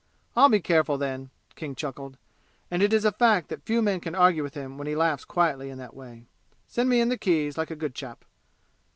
"I'll be careful, then," King chuckled; and it is a fact that few men can argue with him when he laughs quietly in that way. "Send me in the keys, like a good chap."